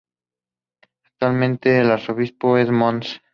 Actualmente el arzobispo es Mons.